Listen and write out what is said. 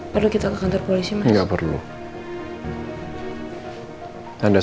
perlu kita ke kantor polisi mas